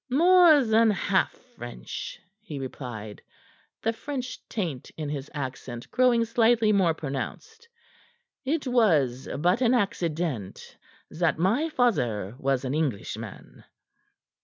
"More than half French," he replied, the French taint in his accent growing slightly more pronounced. "It was but an accident that my father was an Englishman."